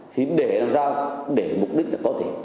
thì để làm sao để mục đích là có thể